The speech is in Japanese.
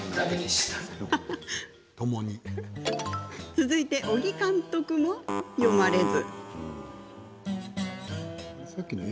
続いて小木監督も読まれず。